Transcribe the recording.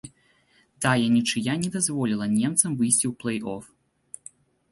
Тая нічыя не дазволіла немцам выйсці ў плэй-оф.